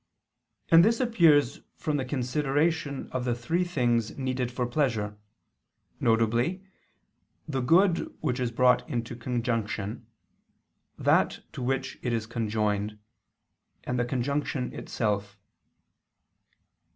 And this appears from the consideration of the three things needed for pleasure, viz. the good which is brought into conjunction, that to which it is conjoined, and the conjunction itself.